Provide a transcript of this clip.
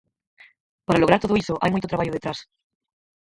Para lograr todo iso hai moito traballo detrás.